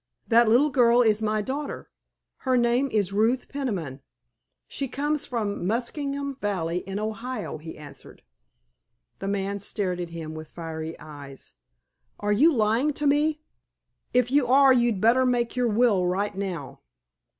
"That little girl is my daughter. Her name is Ruth Peniman. She comes from the Muskingum Valley in Ohio," he answered. The man stared at him with fiery eyes. "Are you lying to me? If you are you'd better make your will right now."